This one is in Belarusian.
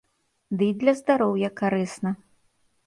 Дый для здароўя карысна.